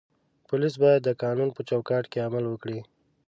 پولیس باید د قانون په چوکاټ کې عمل وکړي.